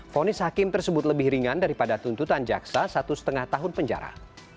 fonis hakim tersebut lebih ringan daripada tuntutan jaksa satu lima tahun penjara